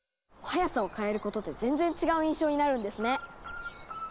速さを変えることで全然違う印象になるんですね。